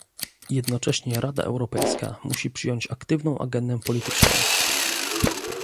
Jednocześnie Rada Europejska musi przyjąć aktywną agendę polityczną